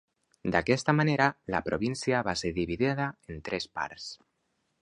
D'aquesta manera, la província va ser dividida en tres parts.